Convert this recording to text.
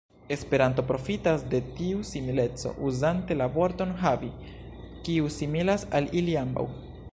Esperanto profitas de tiu simileco uzante la vorton "havi", kiu similas al ili ambaŭ.